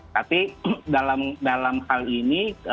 tapi dalam hal ini